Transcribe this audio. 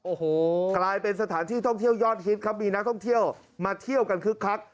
โอ้โหกลายเป็นสถานที่ท่องเที่ยวยอดฮิตครับมีนักท่องเที่ยวมาเที่ยวกันคึกคัก